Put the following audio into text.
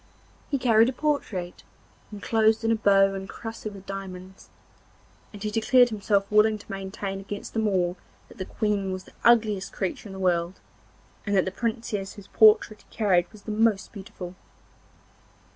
He carried a portrait, enclosed in a bow encrusted with diamonds, and he declared himself willing to maintain against them all that the Queen was the ugliest creature in the world, and that the Princess whose portrait he carried was the most beautiful.